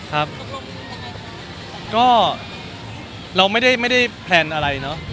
เราก็อยากจะให้มันเป็นไปตามธรรมชาติว่าน่ะครับ